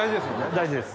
大事です。